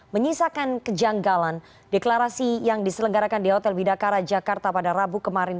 menyisakan kejanggalan deklarasi yang diselenggarakan di hotel bidakara jakarta pada rabu kemarin